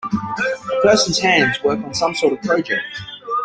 A person 's hands work on some sort of project.